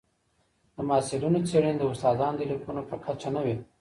د محصلینو څېړني د استادانو د لیکنو په کچه نه وي.